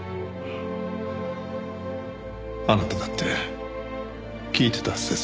あなただって聞いてたはずです。